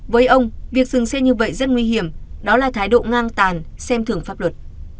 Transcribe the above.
với ông việc dừng xe như vậy rất nguy hiểm đó là thái độ ngang tàn xem thưởng pháp luật